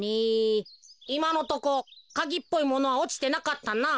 いまのとこカギっぽいものはおちてなかったなあ。